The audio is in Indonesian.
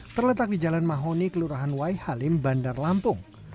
terletak di jalan mahoni kelurahan waihalim bandar lampung